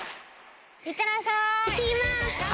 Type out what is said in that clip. いってらっしゃい。